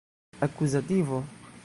akuzativo